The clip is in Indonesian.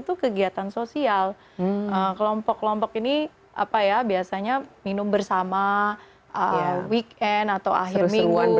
itu kegiatan sosial kelompok kelompok ini apa ya biasanya minum bersama weekend atau akhir minggu